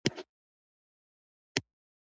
کلیوالو ته یې ویل د فریادونه وکړي.